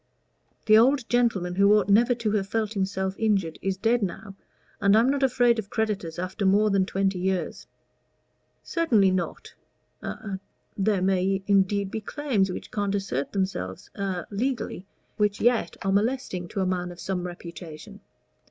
"The old gentleman, who ought never to have felt himself injured, is dead now, and I'm not afraid of creditors after more than twenty years." "Certainly not; a there may indeed be claims which can't assert themselves a legally, which yet are molesting to a man of some reputation.